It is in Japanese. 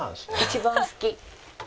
一番好き。